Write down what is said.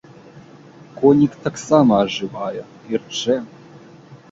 Конік таксама ажывае і ржэ.